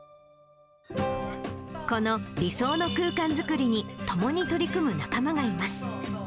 この理想の空間作りに、共に取り組む仲間がいます。